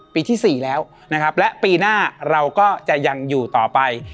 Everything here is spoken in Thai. ปีที่๔แล้วนะครับและปีหน้าเราก็จะยังอยู่ต่อไป